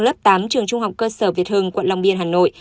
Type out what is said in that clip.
lớp tám trường trung học cơ sở việt hưng quận long biên hà nội